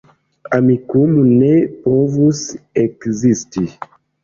Amikumu ne povus ekzisti